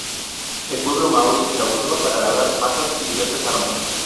El pueblo maorí la usaba para labrar mazas y diversas armas.